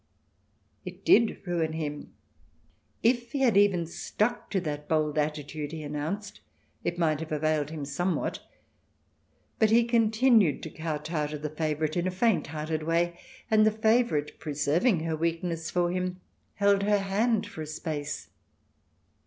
It did ruin him. If he had even stuck to that bold attitude he announced, it might have availed him somewhat. But he continued to kow tow to the favourite in a faint hearted way, and the favourite, preserving her weakness for him, held her hand for a space.